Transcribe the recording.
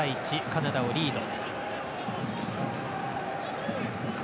カナダをリード。